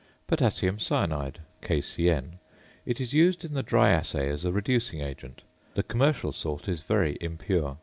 ~Potassium Cyanide~, KCN. It is used in the dry assay as a reducing agent. The commercial salt is very impure.